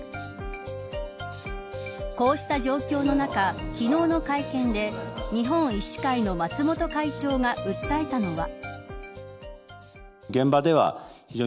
こうした状況の中昨日の会見で日本医師会の松本会長が訴えたのは。